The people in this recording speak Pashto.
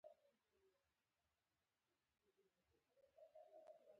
ځکه زه دې اقتیدا اخلم جانانه